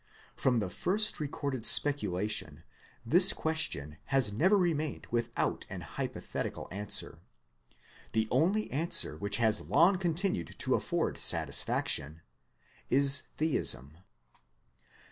From the first recorded specu lation this question has never remained without an hypothetical answer. The only answer which has long continued to afford satisfaction is Theism.